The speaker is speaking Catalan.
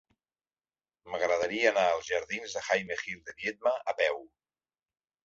M'agradaria anar als jardins de Jaime Gil de Biedma a peu.